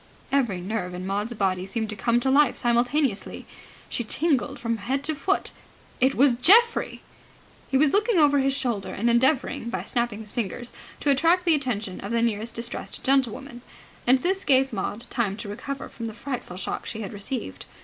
Every nerve in Maud's body seemed to come to life simultaneously. She tingled from head to foot. It was Geoffrey! He was looking over his shoulder and endeavouring by snapping his fingers to attract the attention of the nearest distressed gentlewoman; and this gave Maud time to recover from the frightful shock she had received.